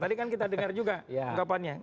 tadi kan kita dengar juga ungkapannya